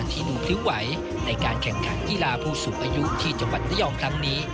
ที่หนูพริ้วไหวในการแข่งขันกีฬาผู้สูงอายุที่จังหวัดระยองครั้งนี้